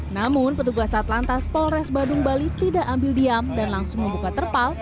namun petugas atlantas polres badung bali tidak ambil diam dan langsung membuka terpal